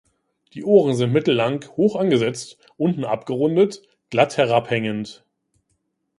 Die Ohren sind mittellang, hoch angesetzt, unten abgerundet, glatt herabhängend.